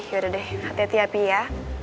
yaudah deh hati hati ya pi ya